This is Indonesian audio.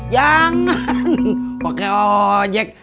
jangan pake ojek